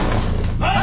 はい！